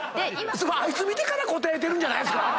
あいつ見てから答えてるんじゃないですか